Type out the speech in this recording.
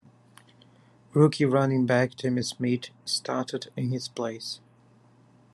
Rookie running back Timmy Smith started in his place.